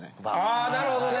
あなるほどね。